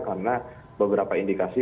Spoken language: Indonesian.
kita akan mencegah aplikasi